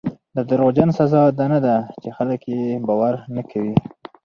د دروغجن سزا دا نه ده چې خلک یې باور نه کوي.